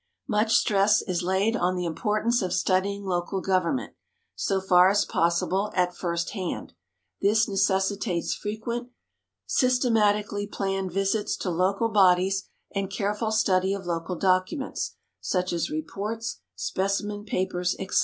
Much stress is laid on the importance of studying local government, so far as possible, at first hand. This necessitates frequent, systematically planned visits to local bodies and careful study of local documents, such as reports, specimen papers, etc.